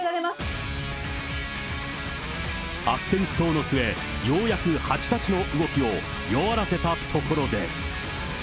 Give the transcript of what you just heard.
悪戦苦闘の末、ようやくハチたちの動きを弱らせたところで。